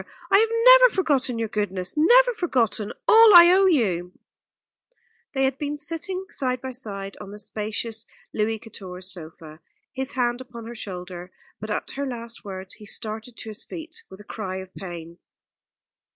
I have never forgotten your goodness never forgotten all I owe you." They had been sitting side by side on the spacious Louis Quatorze sofa, his hand upon her shoulder; but at her last words he started to his feet with a cry of pain.